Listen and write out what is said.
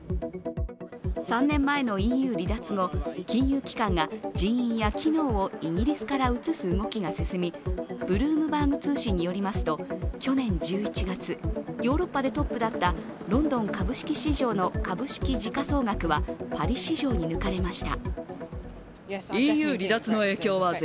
３年前のＥＵ離脱後、金融機関が人員やイギリスから移す動きが進みブルームバーグ通信によりますと、去年１１月ヨーロッパでトップだったロンドン株式市場の株式時価総額はパリ市場に抜かれました。